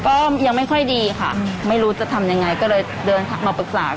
ก็ยังไม่ค่อยดีค่ะไม่รู้จะทำยังไงก็เลยเดินทางมาปรึกษา